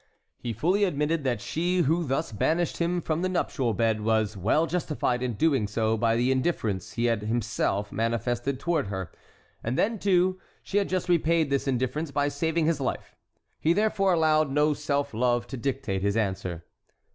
He fully admitted that she who thus banished him from the nuptial bed was well justified in so doing by the indifference he had himself manifested toward her; and then, too, she had just repaid this indifference by saving his life; he therefore allowed no self love to dictate his answer.